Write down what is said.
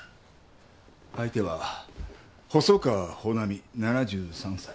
相手は細川保奈美７３歳。